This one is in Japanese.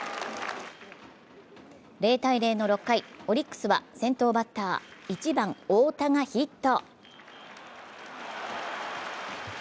０−０の６回、オリックスは先頭バッター、１番・太田がヒット。